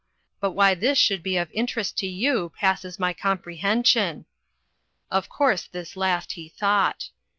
But why this should be of interest to you passes my comprehension." Of course this last he thought.